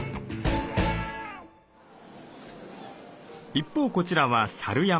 一方こちらはサル山。